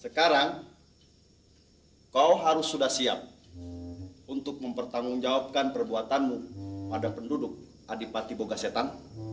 sekarang kau harus sudah siap untuk mempertanggung jawabkan perbuatanmu pada penduduk adipati boga setan